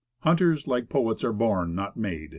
Hunters, like poets, are born, not made.